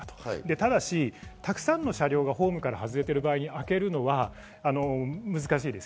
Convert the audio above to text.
ただし、たくさんの車両がホームから外れている場合、開けるのは難しいです。